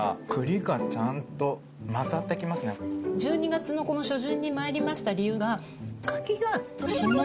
１２月のこの初旬にまいりました理由が柿が新物。